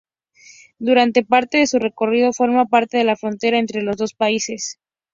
Durante parte de su recorrido forma parte de la frontera entre los dos países.